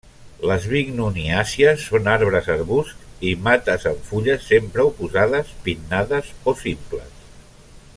Les bignoniàcies són arbres, arbusts i mates amb fulles sempre oposades, pinnades o simples.